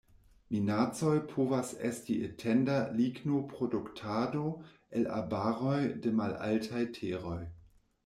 Minacoj povas esti etenda lignoproduktado el arbaroj de malaltaj teroj.